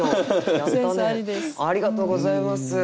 ありがとうございます。